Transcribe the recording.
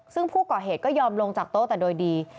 ซึ่งผู้ก่อเหตุก็ยอมลงจากโต๊ะแต่โดยดี